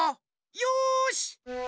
よし！